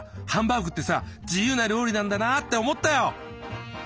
ハンバーグってさ自由な料理なんだなって思ったよ。